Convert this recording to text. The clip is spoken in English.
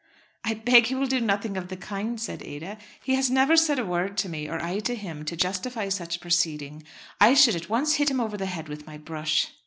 "I beg he will do nothing of the kind," said Ada. "He has never said a word to me, or I to him, to justify such a proceeding. I should at once hit him over the head with my brush."